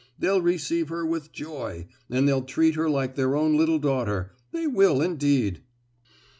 they'll receive her with joy, and they'll treat her like their own little daughter—they will, indeed!"